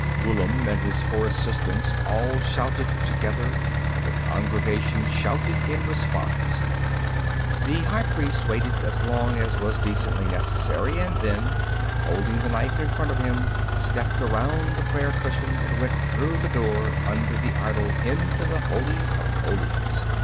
Ghullam and his four assistants all shouted together, and the congregation shouted in response. The high priest waited as long as was decently necessary and then, holding the knife in front of him, stepped around the prayer cushion and went through the door under the idol into the Holy of Holies.